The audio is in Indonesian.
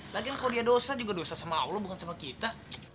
lagi kalau dia dosa juga dosa sama allah bukan sama kita